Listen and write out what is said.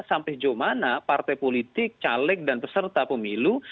sampai jauh mana partai politik caleg dan peserta pemilu